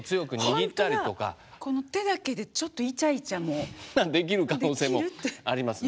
この手だけでちょっとできる可能性もありますね。